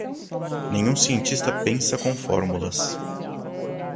Nenhum cientista pensa com fórmulas.